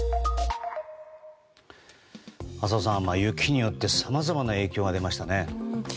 浅尾さん、雪によってさまざまな影響が出ましたね。